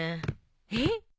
えっ？